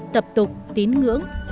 tập tục tín ngưỡng